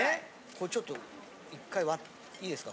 これちょっと１回割っいいですか？